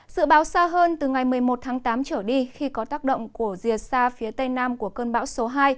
dự báo xa hơn từ ngày một mươi một tháng tám trở đi khi có tác động của rìa xa phía tây nam của cơn bão số hai